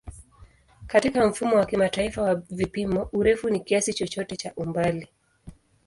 Katika Mfumo wa Kimataifa wa Vipimo, urefu ni kiasi chochote cha umbali.